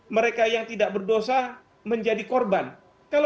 mereka yang tidak berada di negara negara